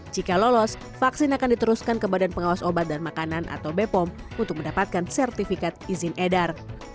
jika lolos vaksin akan diteruskan ke badan pengawas obat dan makanan atau bepom untuk mendapatkan sertifikat izin edar